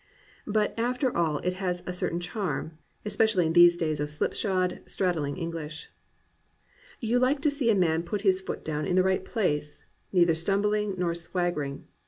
But after all it has a certain charm, especially in these days of slipshod, straddling English. You hke to see a man put his foot down in the right place, neither stumbling nor swaggering.